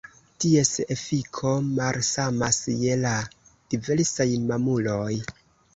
Ties efiko malsamas je la diversaj mamuloj.